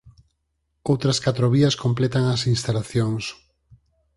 Outras catro vías completan as instalacións.